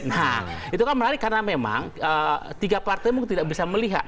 nah itu kan menarik karena memang tiga partai mungkin tidak bisa melihat